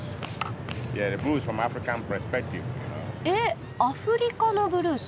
えっアフリカのブルース？